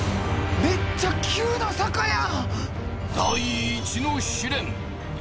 めっちゃ急な坂やん！